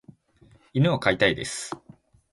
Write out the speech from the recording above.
犬を飼いたいです。